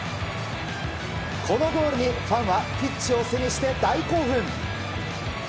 このゴールにファンはピッチを背にして大興奮。